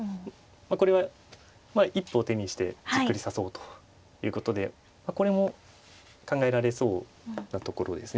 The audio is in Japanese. これは一歩を手にしてじっくり指そうということでこれも考えられそうなところですね。